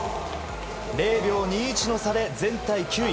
０秒２１の差で全体９位。